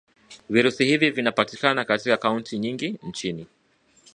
Virusi hivi vinapatikana katika kaunti nyingi nchini